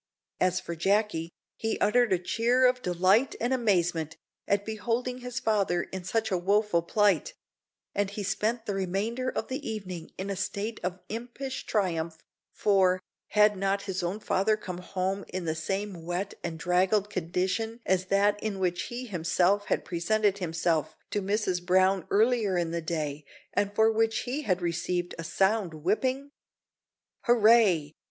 As for Jacky, he uttered a cheer of delight and amazement at beholding his father in such a woeful plight; and he spent the remainder of the evening in a state of impish triumph; for, had not his own father come home in the same wet and draggled condition as that in which he himself had presented himself to Mrs Brown earlier in the day, and for which he had received a sound whipping? "Hooray!"